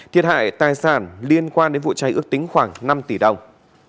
thiệt hại tài sản liên quan đến vụ cháy ước tính khoảng năm tỷ đồng